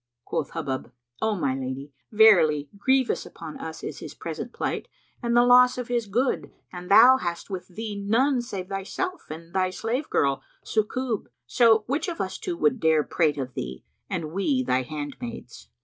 Quoth Hubub, "O my lady, verily, grievous upon us is his present plight and the loss of his good and thou hast with thee none save thyself and thy slave girl Sukub; so which of us two would dare prate of thee, and we thy handmaids?"